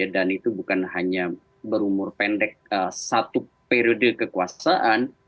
dan itu bukan hanya berumur pendek satu periode kekuasaan